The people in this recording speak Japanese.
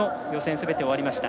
すべてが終わりました。